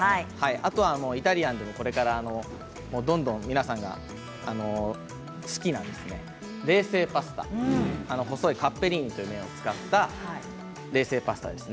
あとは、これからどんどん皆さんが好きな冷製パスタ細いカッペリーニという麺を使った冷製パスタです。